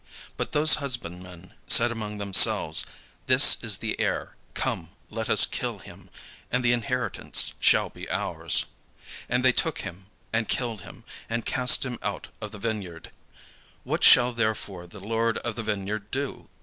But those husbandmen said among themselves, 'This is the heir; come, let us kill him, and the inheritance shall be ours.' And they took him, and killed him, and cast him out of the vineyard. What shall therefore the lord of the vineyard do?